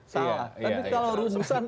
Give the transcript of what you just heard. salah tapi kalau rumusan